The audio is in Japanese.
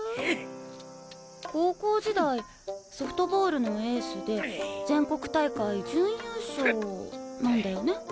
高校時代ソフトボールのエースで全国大会準優勝なんだよね？